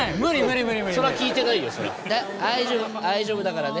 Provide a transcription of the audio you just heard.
大丈夫大丈夫だからね。